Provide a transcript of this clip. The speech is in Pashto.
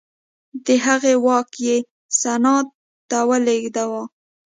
د هغې واک یې سنا ته ولېږداوه